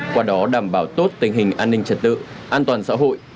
qua đó đảm bảo tốt tình hình an ninh trật tự an toàn xã hội